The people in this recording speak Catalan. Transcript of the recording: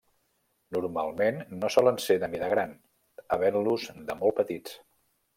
Normalment no solen ser de mida gran, havent-los de molt petits.